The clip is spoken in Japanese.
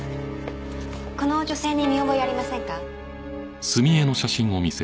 この女性に見覚えありませんか？